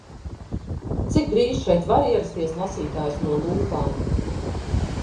Cik drīz šeit var ierasties lasītājs no lūpām?